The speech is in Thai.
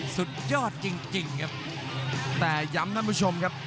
สุดยอดจริงจริงครับแต่ย้ำท่านผู้ชมครับ